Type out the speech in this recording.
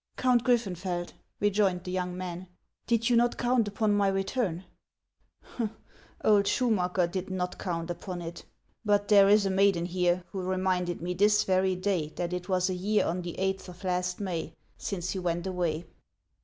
'• Count Gviffeufeld." rejoined the young man, ~ did you not count upon my return ?"" Old Schumacker did not count upon it ; but there is a maiden here, who reminded me this very day that it was a year on the Sth of last May, since you went away."